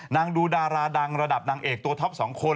ดูดาราดังระดับนางเอกตัวท็อป๒คน